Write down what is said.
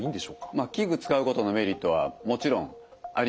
まあ器具使うことのメリットはもちろんありますよね。